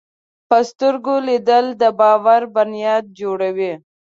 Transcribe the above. په سترګو لیدل د باور بنیاد جوړوي